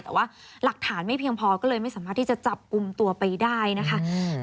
แต่ว่าหลักฐานไม่เพียงพอก็เลยไม่สามารถที่จะจับกลุ่มตัวไปได้นะคะอืม